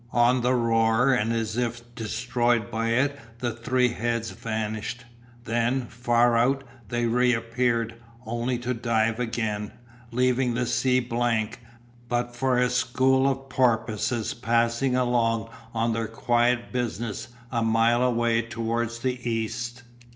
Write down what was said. On the roar and as if destroyed by it the three heads vanished. Then, far out, they reappeared, only to dive again, leaving the sea blank, but for a school of porpoises passing along on their quiet business a mile away towards the east.